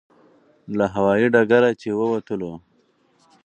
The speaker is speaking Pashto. له هوایي ډګره چې ووتلو.